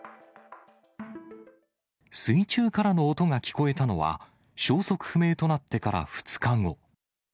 水中からの音が聞こえたのは、消息不明となってから２日後。